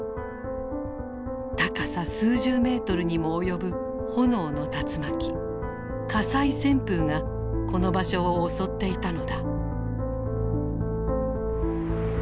高さ数十ｍにも及ぶ炎の竜巻火災旋風がこの場所を襲っていたのだ。